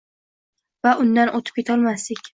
Va undan o‘tib ketolmasdik.